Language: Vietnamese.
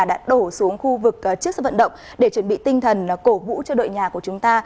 đã đổ xuống khu vực trước sân vận động để chuẩn bị tinh thần cổ vũ cho đội nhà của chúng ta